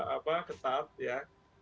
apa ketat ya